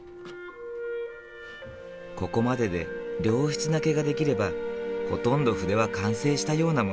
ここまでで良質な毛が出来ればほとんど筆は完成したようなもの。